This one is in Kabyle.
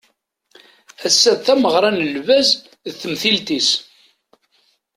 Ass-a d tameɣra n lbaz d temtilt-is.